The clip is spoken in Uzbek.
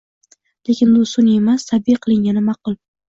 Lekin, bu sun’iy emas, tabiiy qilingani ma’qul.